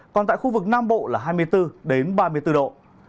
còn tại khu vực nam bộ là hai mươi bốn ba mươi bốn độ